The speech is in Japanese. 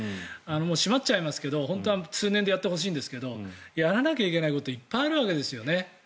閉まっちゃいますけど、本当は通年でやってほしいんですけどやらなきゃいけないこといっぱいあるわけですよね。